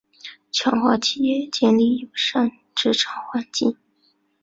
强化企业建立友善职场环境